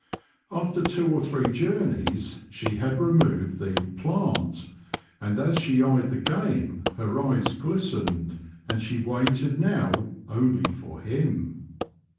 After two or three journeys she had removed the *' plant," and as she eyed the game her eyes glistened, and she waited now only for him.